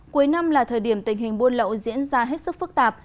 cuối năm là thời điểm tình hình buôn lậu diễn ra hết sức phức tạp